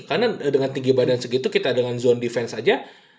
karena dengan tinggi badan segitu kita dengan zone defense aja